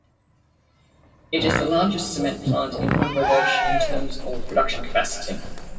It is the largest cement plant in Bangladesh in terms of production capacity.